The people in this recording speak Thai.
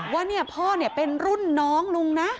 ว่าเนี่ยพ่อเนี่ยเป็นรุ่นน้องลุงนะ